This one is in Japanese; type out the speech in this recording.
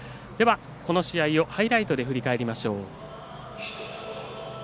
この試合をハイライトで振り返りましょう。